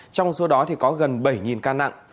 trong số đó thì có gần bảy ca nặng